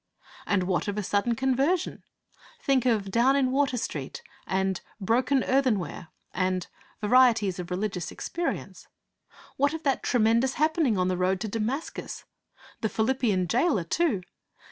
And what of a sudden conversion? Think of Down in Water Street, and Broken Earthenware, and Varieties of Religious Experience! What of that tremendous happening on the road to Damascus? The Philippian jailer, too!